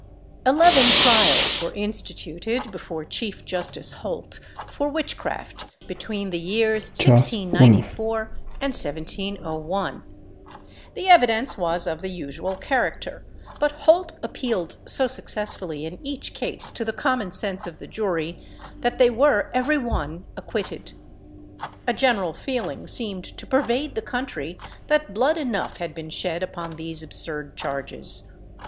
Eleven trials were instituted before Chief Justice Holt for witchcraft, between the years 1694 and 1701. The evidence was of the usual character; but Holt appealed so successfully in each case to the common sense of the jury, that they were every one acquitted. A general feeling seemed to pervade the country that blood enough had been shed upon these absurd charges.